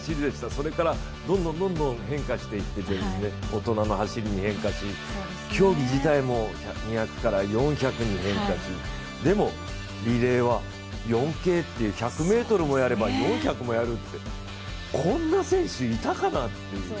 それからどんどん変化していって、大人の走りに変化し競技自体も２００から４００に変化しでもリレーは４ｋっていう１００ｍもやれば４００もやるっていう、こんな選手いたかなっていう。